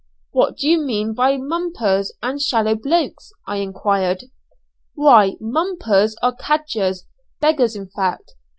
"Who do you mean by mumpers and shallow blokes?" I enquired. "Why 'mumpers' are cadgers; beggars in fact.